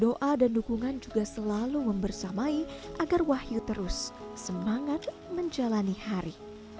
doa dan dukungan juga selalu membersamai agar wahyu terus semangat menjalani hari